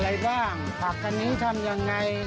อะไรบ้างผักอันนี้ทำยังไง